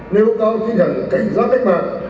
nêu cao kinh hẳn cảnh giác cách mạng